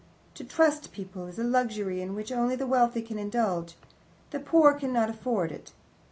To trust people is a luxury in which only the wealthy can indulge; the poor cannot afford it.